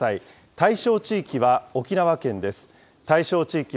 対象地域は沖縄県です。